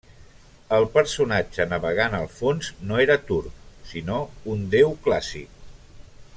El personatge navegant al fons no era turc, sinó un déu clàssic.